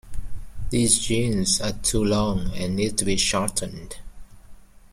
These jeans are too long, and need to be shortened.